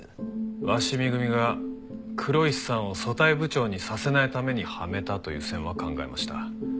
鷲見組が黒石さんを組対部長にさせないためにはめたという線は考えました。